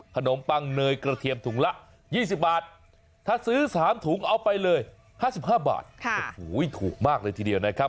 ปังเนยกระเทียมถุงละ๒๐บาทถ้าซื้อ๓ถุงเอาไปเลย๕๕บาทโอ้โหถูกมากเลยทีเดียวนะครับ